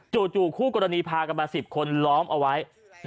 จู่คู่กรณีพากันมา๑๐คนล้อมเอาไว้